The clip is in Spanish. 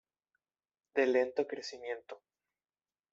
De lento crecimiento.